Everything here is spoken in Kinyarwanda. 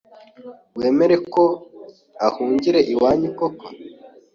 wemere ko ahungire iwanyu koko?